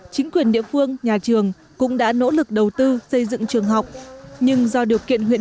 chính quyền địa phương nhà trường cũng đã nỗ lực đầu tư xây dựng trường học nhưng do điều kiện huyện